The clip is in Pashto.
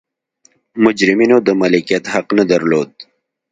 مجرمینو د مالکیت حق نه درلود.